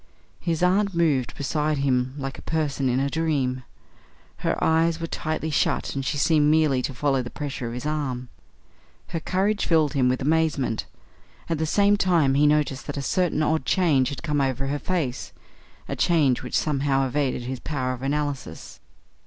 His aunt moved beside him like a person in a dream. Her eyes were tightly shut, and she seemed merely to follow the pressure of his arm. Her courage filled him with amazement. At the same time he noticed that a certain odd change had come over her face, a change which somehow evaded his power of analysis.